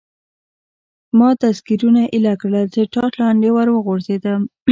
ما دستګیرونه ایله کړل، تر ټاټ لاندې ور وغورځېدم.